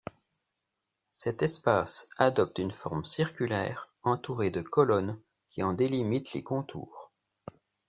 Cet espace adopte une forme circulaire entourée de colonnes qui en délimitent les contours.